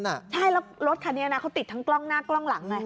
ใช่แล้วรถคันนี้นะเขาติดทั้งกล้องหน้ากล้องหลังไง